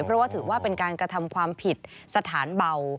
เพราะว่าถือว่าเป็นการกระทำความผิดสถานเบา